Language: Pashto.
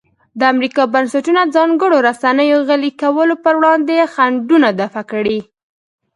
د امریکا بنسټونو ځانګړنو رسنیو غلي کولو پر وړاندې خنډونه دفع کړي.